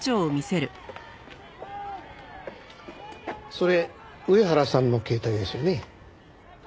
それ上原さんの携帯ですよね？